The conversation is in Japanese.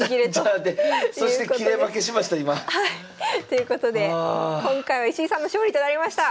ということで今回は石井さんの勝利となりました。